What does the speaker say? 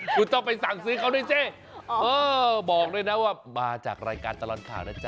คุณต้องไปสั่งซื้อเขาด้วยเจ๊เออบอกด้วยนะว่ามาจากรายการตลอดข่าวนะจ๊